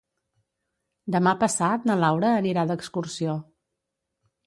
Demà passat na Laura anirà d'excursió.